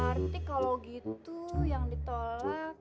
berarti kalau gitu yang ditolak